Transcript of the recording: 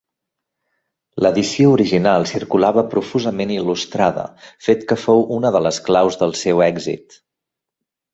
L'edició original circulava profusament il·lustrada, fet que fou una de les claus del seu èxit.